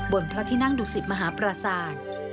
พระที่นั่งดุสิตมหาปราศาสตร์